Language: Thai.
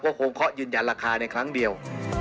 ก็คงเคาะยืนยันราคาในครั้งเดียว